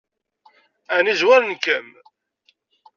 Ɛni zwaren-kem?